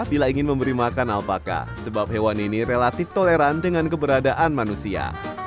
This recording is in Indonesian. bila ingin memberi makan alpaka sebab hewan ini relatif toleran dengan keberadaan manusia